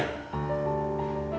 kamu bikin heboh lagi